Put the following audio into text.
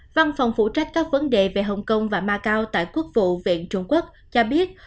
văn phòng phụ trách các vấn đề về hồng kông và macau tại quốc vụ viện trung quốc cho biết